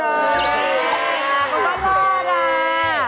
มันก็ยอดน่ะ